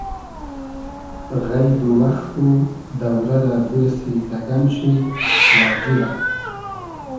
غݷد و وئخت و دۆرۂ رۂ بیرسی دۂ گئم شی واجیبۂ